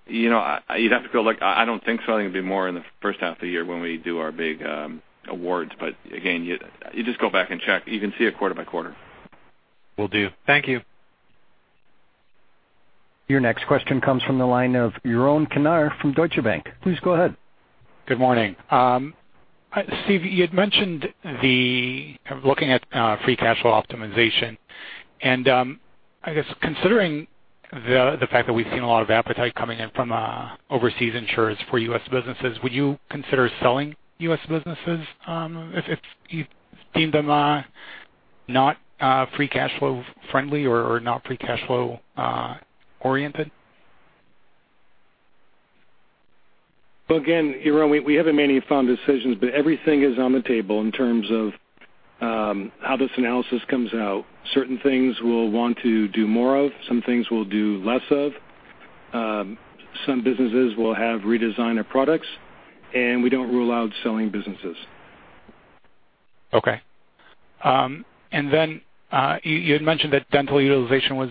You'd have to go look. I don't think so. I think it'd be more in the first half of the year when we do our big awards. Again, you just go back and check. You can see it quarter by quarter. Will do. Thank you. Your next question comes from the line of Yaron Kinar from Deutsche Bank. Please go ahead. Good morning. Steve, you had mentioned the kind of looking at free cash flow optimization, I guess considering the fact that we've seen a lot of appetite coming in from overseas insurers for U.S. businesses, would you consider selling U.S. businesses if you deemed them not free cash flow friendly or not free cash flow oriented? Well, again, Yaron, we haven't made any final decisions. Everything is on the table in terms of how this analysis comes out. Certain things we'll want to do more of, some things we'll do less of. Some businesses will have redesign of products, and we don't rule out selling businesses. Okay. You had mentioned that dental utilization was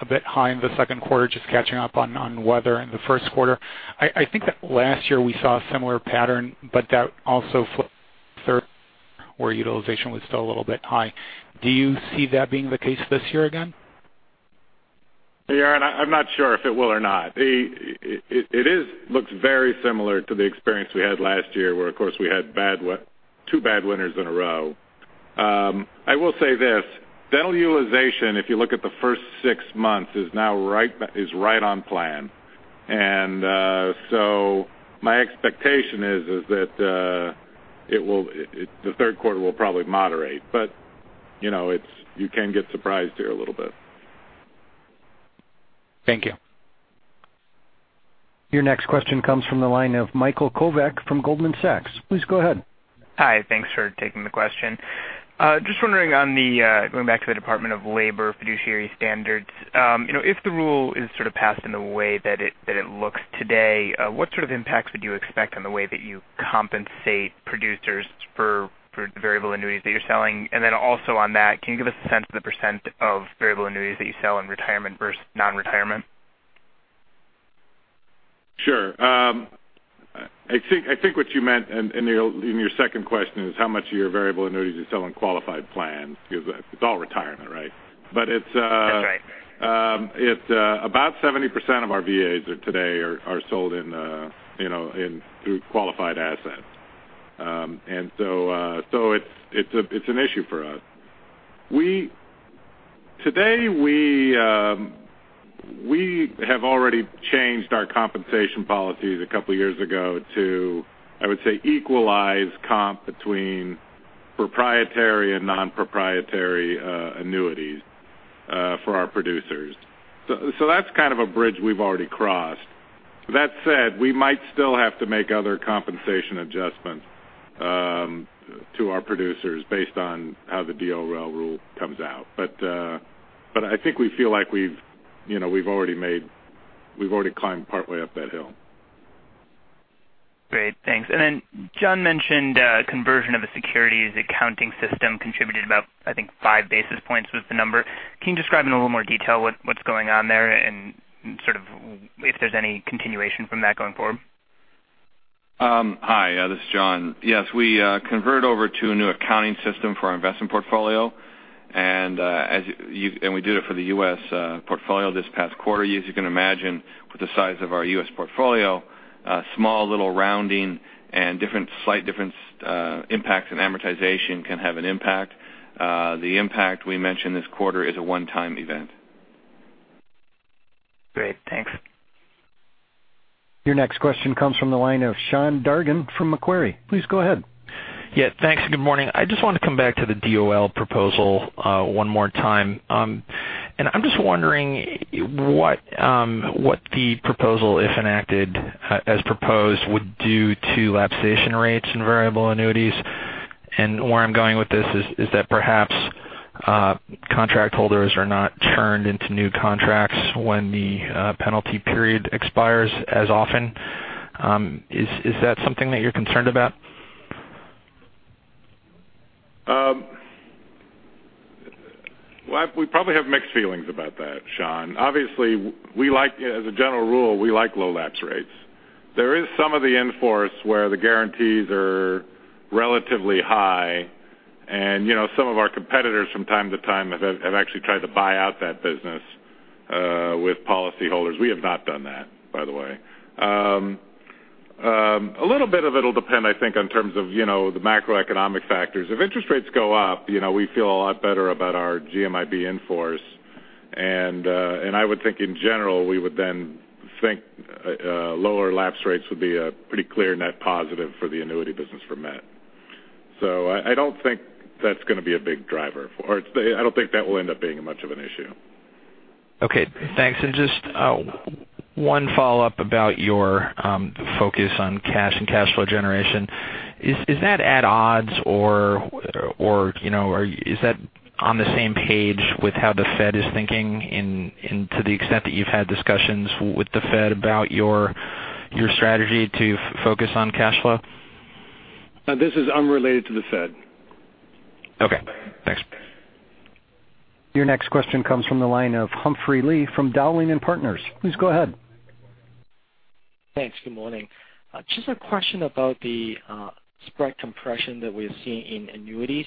a bit high in the second quarter, just catching up on weather in the first quarter. I think that last year we saw a similar pattern. That also flipped where utilization was still a little bit high. Do you see that being the case this year again? Yaron, I'm not sure if it will or not. It looks very similar to the experience we had last year where, of course, we had two bad winters in a row. I will say this. Dental utilization, if you look at the first six months, is right on plan. My expectation is that the third quarter will probably moderate. You can get surprised here a little bit. Thank you. Your next question comes from the line of Michael Nannizzi from Goldman Sachs. Please go ahead. Hi. Thanks for taking the question. Just wondering on the going back to the Department of Labor fiduciary standards. If the rule is sort of passed in the way that it looks today, what sort of impacts would you expect on the way that you compensate producers for the variable annuities that you're selling? Also on that, can you give us a sense of the % of variable annuities that you sell in retirement versus non-retirement? Sure. I think what you meant in your second question is how much of your variable annuities you sell in qualified plans because it's all retirement, right? That's right. About 70% of our VAs today are sold through qualified assets. So it's an issue for us. Today, we have already changed our compensation policies a couple of years ago to, I would say, equalize comp between proprietary and non-proprietary annuities for our producers. That's kind of a bridge we've already crossed. That said, we might still have to make other compensation adjustments to our producers based on how the DOL rule comes out. I think we feel like we've already climbed partway up that hill. Great, thanks. John mentioned conversion of a securities accounting system contributed about, I think, five basis points was the number. Can you describe in a little more detail what's going on there and if there's any continuation from that going forward? Hi, this is John. Yes, we converted over to a new accounting system for our investment portfolio. We did it for the U.S. portfolio this past quarter. As you can imagine, with the size of our U.S. portfolio, a small little rounding and slight different impacts in amortization can have an impact. The impact we mentioned this quarter is a one-time event. Great, thanks. Your next question comes from the line of Sean Dargan from Macquarie. Please go ahead. Yeah, thanks, good morning. I just want to come back to the DOL proposal one more time. I'm just wondering what the proposal, if enacted as proposed, would do to lapsation rates in variable annuities. Where I'm going with this is that perhaps contract holders are not turned into new contracts when the penalty period expires as often. Is that something that you're concerned about? We probably have mixed feelings about that, Sean. Obviously, as a general rule, we like low lapse rates. There is some of the in-force where the guarantees are relatively high, and some of our competitors from time to time have actually tried to buy out that business with policyholders. We have not done that, by the way. A little bit of it'll depend, I think, on terms of the macroeconomic factors. If interest rates go up, we feel a lot better about our GMIB in-force. I would think in general, we would then think lower lapse rates would be a pretty clear net positive for the annuity business for Met. I don't think that's going to be a big driver for it. I don't think that will end up being much of an issue. Okay, thanks. Just one follow-up about your focus on cash and cash flow generation. Is that at odds or is that on the same page with how the Fed is thinking to the extent that you've had discussions with the Fed about your strategy to focus on cash flow? This is unrelated to the Fed. Okay, thanks. Your next question comes from the line of Humphrey Lee from Dowling & Partners. Please go ahead. Thanks, good morning. Just a question about the spread compression that we're seeing in annuities.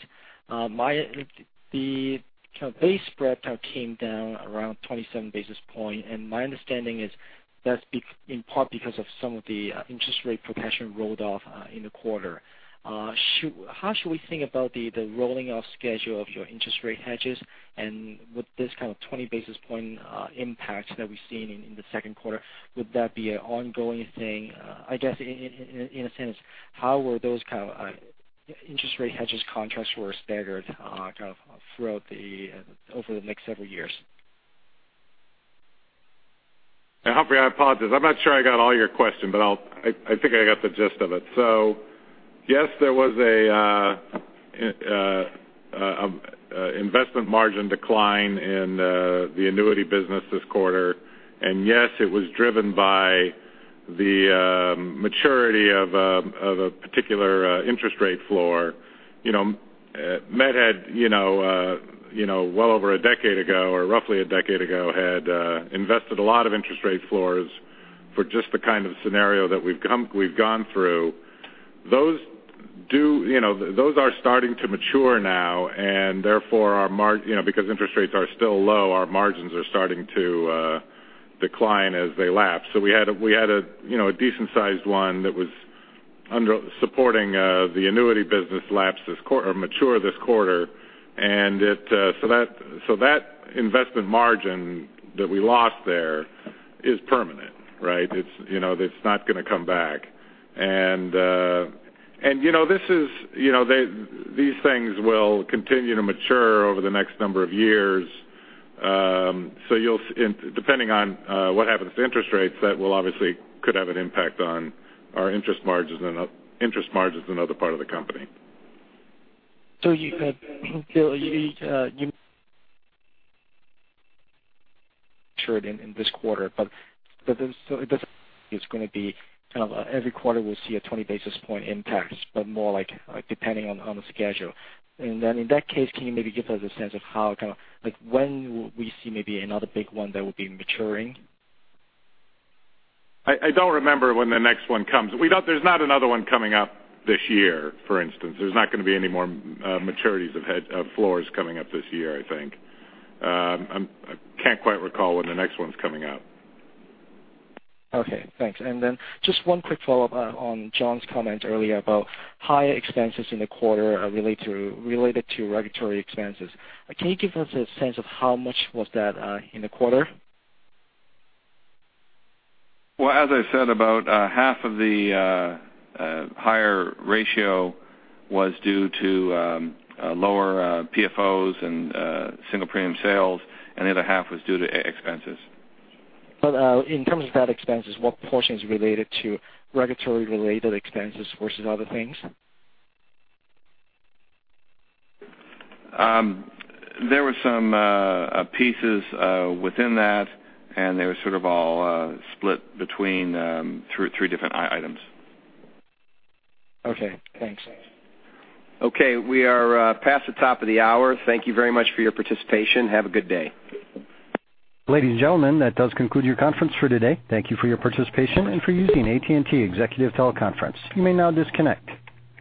The base spread came down around 27 basis points, and my understanding is that's in part because of some of the interest rate compression rolled off in the quarter. How should we think about the rolling off schedule of your interest rate hedges? With this kind of 20 basis point impact that we've seen in the second quarter, would that be an ongoing thing? I guess, in a sense, how were those kind of interest rate hedges contracts were staggered over the next several years? Humphrey, I apologize. I'm not sure I got all your question, but I think I got the gist of it. Yes, there was an investment margin decline in the annuity business this quarter. Yes, it was driven by the maturity of a particular interest rate floor. MetLife had well over a decade ago, or roughly a decade ago, had invested a lot of interest rate floors for just the kind of scenario that we've gone through. Those are starting to mature now. Therefore, because interest rates are still low, our margins are starting to decline as they lapse. We had a decent sized one that was supporting the annuity business mature this quarter. That investment margin that we lost there is permanent, right? It's not going to come back. These things will continue to mature over the next number of years. Depending on what happens to interest rates, that obviously could have an impact on our interest margins in other part of the company. You said matured in this quarter, but it's going to be kind of every quarter we'll see a 20 basis point impact, but more depending on the schedule. In that case, can you maybe give us a sense of when we see maybe another big one that will be maturing? I don't remember when the next one comes. There's not another one coming up this year, for instance. There's not going to be any more maturities of floors coming up this year, I think. I can't quite recall when the next one's coming up. Okay, thanks. Just one quick follow-up on John's comment earlier about higher expenses in the quarter related to regulatory expenses. Can you give us a sense of how much was that in the quarter? Well, as I said, about half of the higher ratio was due to lower PFOs and single premium sales, and the other half was due to expenses. In terms of that expenses, what portion is related to regulatory-related expenses versus other things? There were some pieces within that, and they were sort of all split between three different items. Okay, thanks. Okay, we are past the top of the hour. Thank you very much for your participation. Have a good day. Ladies and gentlemen, that does conclude your conference for today. Thank you for your participation and for using AT&T Executive Teleconference. You may now disconnect.